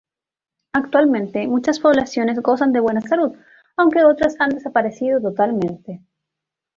Actualmente muchas poblaciones gozan de buena salud, aunque otras han desaparecido totalmente.